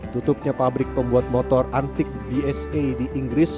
tutupnya pabrik pembuat motor antik bsa di inggris